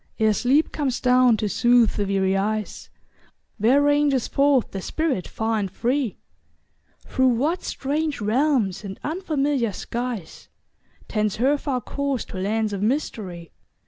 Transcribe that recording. Ere sleep comes down to soothe the weary eyes, Where ranges forth the spirit far and free? Through what strange realms and unfamiliar skies. Tends her far course to lands of mystery?